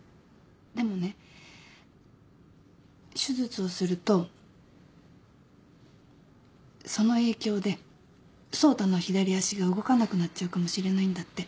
でもね手術をするとその影響で走太の左足が動かなくなっちゃうかもしれないんだって。